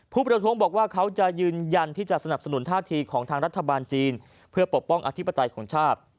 ประท้วงบอกว่าเขาจะยืนยันที่จะสนับสนุนท่าทีของทางรัฐบาลจีนเพื่อปกป้องอธิปไตยของชาติ